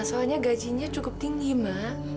soalnya gajinya cukup tinggi mbak